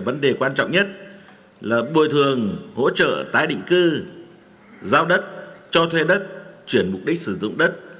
vấn đề quan trọng nhất là bồi thường hỗ trợ tái định cư giao đất cho thuê đất chuyển mục đích sử dụng đất